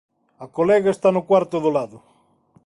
A colega está no cuarto do lado.